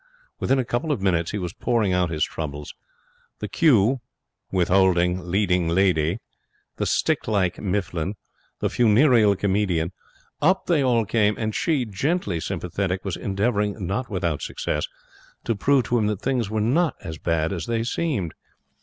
Within a couple of minutes he was pouring out his troubles. The cue withholding leading lady, the stick like Mifflin, the funereal comedian up they all came, and she, gently sympathetic, was endeavouring, not without success, to prove to him that things were not so bad as they seemed.